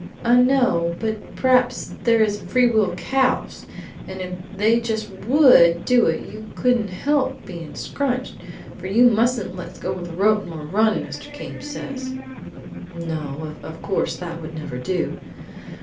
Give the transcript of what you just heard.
"I know; but p'raps there is free will cows, and if they just WOULD do it you couldn't help being scrunched, for you mustn't let go of the rope nor run, Mr. Came says. "No, of course that would never do."